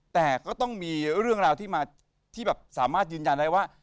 แต่ก็ต้องมีเรื่องราวที่มาที่แบบสามารถยืนยันได้ว่า